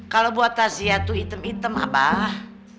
kalo buat tasia tuh hitam hitam abah